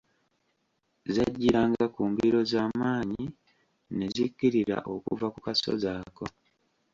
Zajjiranga ku mbiro z'amaanyi ne zikkirira okuva ku kasozi ako.